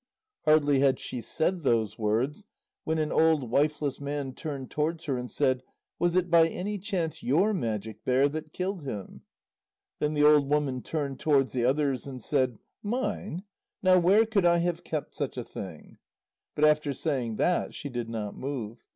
Hardly had she said those words when an old wifeless man turned towards her and said: "Was it by any chance your Magic Bear that killed him?" Then the old woman turned towards the others and said: "Mine? Now where could I have kept such a thing?" But after saying that she did not move.